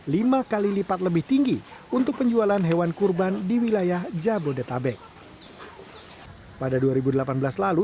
lima kali lipat lebih tinggi untuk penjualan hewan kurban di wilayah jabodetabek pada dua ribu delapan belas lalu